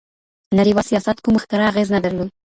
نړيوال سياست کوم ښکاره اغېز نه درلود.